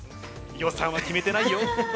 予算は決めてないよ。